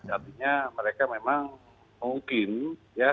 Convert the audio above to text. artinya mereka memang mungkin ya